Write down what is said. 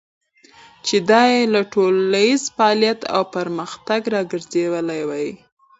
چې دا يې له ټولنيز فعاليت او پرمختګه راګرځولې ده.